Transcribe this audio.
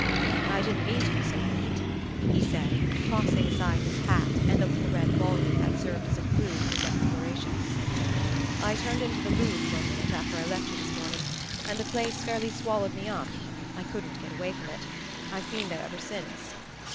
"I didn't mean to be so late," he said, tossing aside his hat and the little red volume that served as a clue to his explorations. "I turned in to the Louvre for a minute after I left you this morning, and the place fairly swallowed me up I couldn't get away from it. I've been there ever since."